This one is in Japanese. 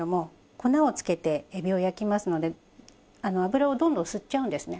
粉をつけてエビを焼きますので油をどんどん吸っちゃうんですね。